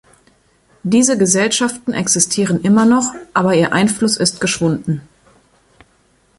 Diese Gesellschaften existieren immer noch, aber ihr Einfluss ist geschwunden.